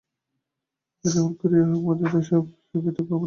ভাবে যেমন করিয়াই হোক মতিকে সুখী করিতে কুমুদকে সে বাধ্য করবে।